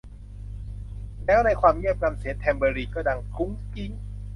แล้ว ในความเงียบงัน เสียงแทมเบอรีนก็ดังกุ๊งกิ๊ง